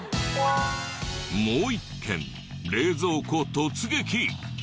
もう一軒冷蔵庫突撃！